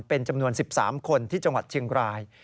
เป็นจำนวน๑๓คนที่จังหวัดเชียงราย